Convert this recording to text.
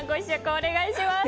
お願いします。